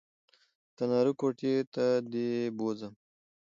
د تناره کوټې ته دې بوځم